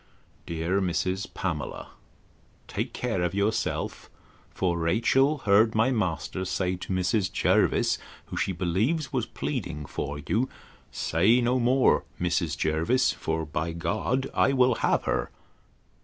'Dear Mrs. Pamela, Take care of yourself; for Rachel heard my master say to Mrs. Jervis, who, she believes, was pleading for you, Say no more, Mrs. Jervis; for by G—d I will have her!